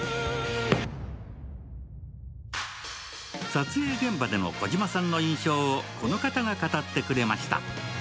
撮影現場での児嶋さんの印象をこの方が語ってくれました。